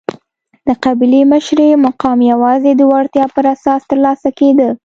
د قبیلې مشرۍ مقام یوازې د وړتیا پر اساس ترلاسه کېده.